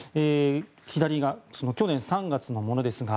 左が去年３月のものでして